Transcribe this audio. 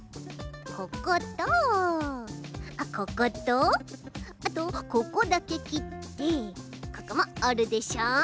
こことこことあとここだけきってここもおるでしょ。